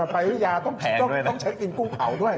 ไปอย่าต้องเช็คกินกุ้งเผาด้วย